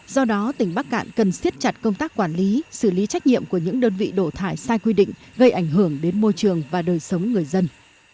do đó tỉnh bắc cạn cần siết chặt công tác quản lý xử lý trách nhiệm của những đơn vị đổ thải sai quy định gây ảnh hưởng đến môi trường và đời sống người dân